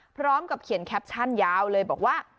พร้อมกับเขียนแคปชั่นยาวเลยบอกว่า